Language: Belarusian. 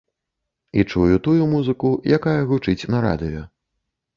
І чую тую музыку, якая гучыць на радыё.